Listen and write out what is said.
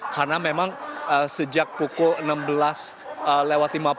karena memang sejak pukul enam belas lima puluh